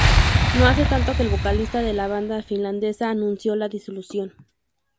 No hace tanto que el vocalista de la banda finlandesa anunció la disolución.